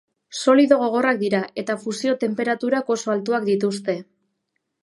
Solido gogorrak dira eta fusio-tenperaturak oso altuak dituzte.